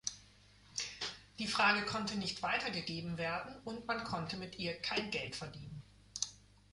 Die Frage konnte nicht weitergegeben werden, und man konnte mit ihr kein Geld verlieren.